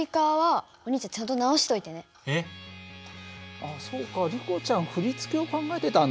あっそうかリコちゃん振り付けを考えてたんだ。